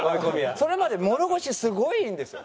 それまで物腰すごいんですよ。